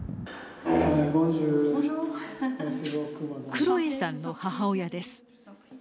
クロエさんの母親です。